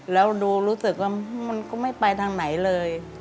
แล้วดูรู้สึกว่ามันก็ไม่ไปทางไหนเลย